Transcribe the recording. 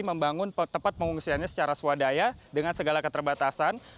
membangun tempat pengungsiannya secara swadaya dengan segala keterbatasan